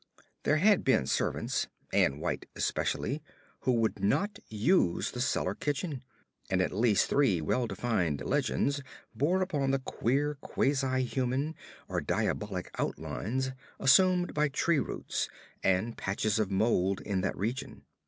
There had been servants Ann White especially who would not use the cellar kitchen, and at least three well defined legends bore upon the queer quasi human or diabolic outlines assumed by tree roots and patches of mold in that region.